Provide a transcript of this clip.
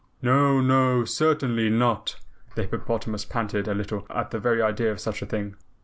"No, no, certainly NOT." The hippopotamus panted a little at the very idea of such a thing.